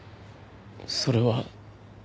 それは。